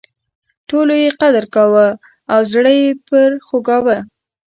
ټولو یې قدر کاوه او زړه یې پر خوږاوه.